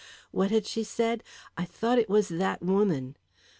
What had she said? "I thought it was that woman!"